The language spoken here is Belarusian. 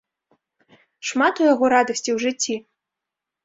Шмат у яго радасці ў жыцці?